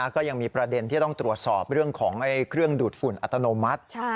ก็ยังมีประเด็นที่ต้องตรวจสอบเรื่องของเครื่องดูดฝุ่นอัตโนมัติ